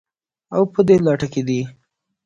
او په دې لټه کې دي